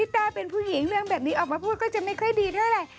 ต้าเป็นผู้หญิงเรื่องแบบนี้ออกมาพูดก็จะไม่ค่อยดีเท่าไหร่